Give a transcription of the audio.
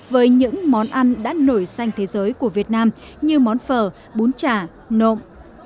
với những món ăn đã nổi xanh thế giới của việt nam như món phở bún chả nộm